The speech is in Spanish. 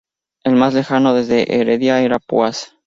El más lejano desde Heredia era Púas.